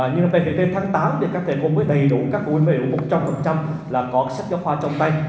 nhưng mà về tháng tám thì các thầy cô mới đầy đủ các phụ huynh mới đầy đủ một trăm linh là có sách giáo khoa trong tay